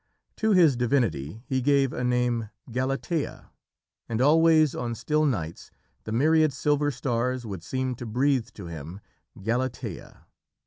To his divinity he gave a name "Galatea"; and always on still nights the myriad silver stars would seem to breathe to him "Galatea"